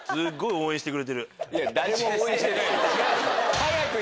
誰も応援してない。